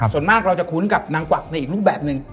ส่วนมากเราจะคุ้นกับนางกวักในอีกรูปแบบหนึ่ง